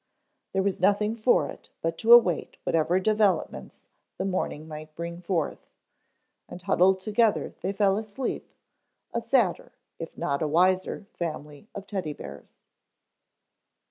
There was nothing for it but to await whatever developments the morning might bring forth. And huddled together they fell asleep, a sadder if not a wiser family of Teddy bears.